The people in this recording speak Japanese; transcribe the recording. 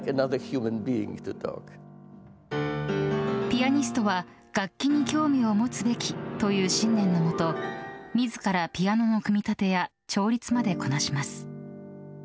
ピアニストは楽器に興味を持つべきという信念のもと自らピアノの組み立てや調律までこなします。